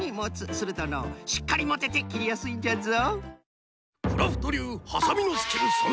するとのうしっかりもてて切りやすいんじゃぞ。